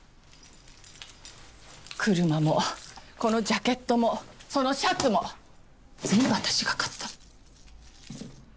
車もこのジャケットもそのシャツも全部私が買った。